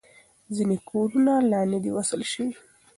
ځینې کورونه لا نه دي وصل شوي.